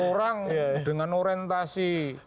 orang dengan orientasi